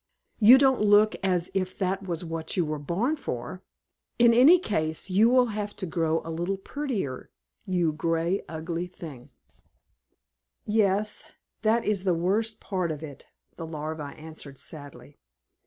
You don't look as if that was what you were born for. In any case you will have to grow a little prettier, you gray, ugly thing," "Yes, that is the worst part of it," the Larva answered sadly.